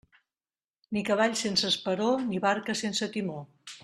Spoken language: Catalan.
Ni cavall sense esperó ni barca sense timó.